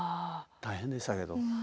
大変でしたけど。